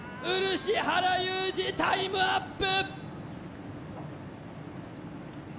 漆原裕治タイムアップ！